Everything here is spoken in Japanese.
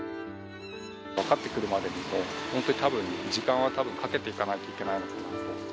分かってくるまでに、本当にたぶん、時間はかけていかないといけないのかなと。